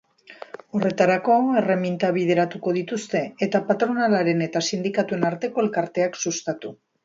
Horretarako, erreminta bideratuko dituzte, eta patronalaren eta sindikatuen arteko elkarteak sustatu.